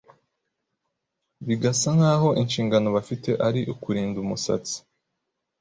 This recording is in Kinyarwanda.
bigasa nk’aho inshingano bafite ari ukurinda umusatsi.